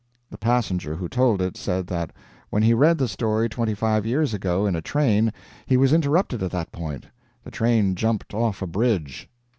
The passenger who told it said that when he read the story twenty five years ago in a train he was interrupted at that point the train jumped off a bridge.